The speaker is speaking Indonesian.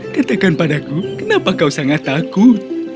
katakan padaku kenapa kau sangat takut